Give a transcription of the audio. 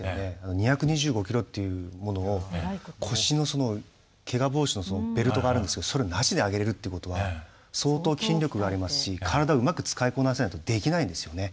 ２２５キロっていうものを腰のけが防止のベルトがあるんですけどそれなしで挙げれるってことは相当筋力がありますし体うまく使いこなせないとできないんですよね。